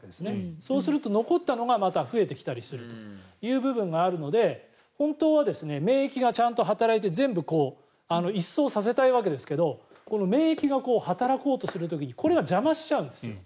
そうすると残ったのがまた増えてきたりするという部分があるので本当は免疫が、ちゃんと働いて全部一掃させたいわけですが免疫が働こうとする時にこれが邪魔しちゃうんです。